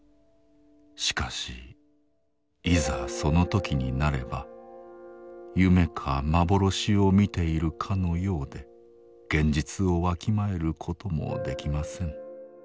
しかしいざその時になれば夢か幻を見ているかのようで現実をわきまえることもできません。